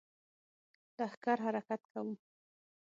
لښکر حرکت کوو.